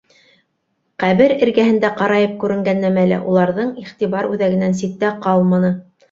Ҡәбер эргәһендә ҡарайып күренгән нәмә лә уларҙың иғтибар үҙәгенән ситтә ҡалманы.